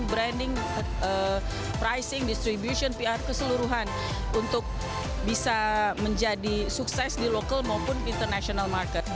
branding pricing distribution pr keseluruhan untuk bisa menjadi sukses di lokal maupun international market